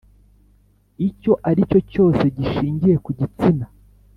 icyo ari cyo cyose gishingiye ku gitsina